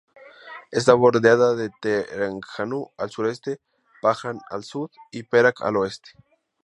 Está bordeada por Terengganu al sureste, Pahang al sud, y Perak al oeste.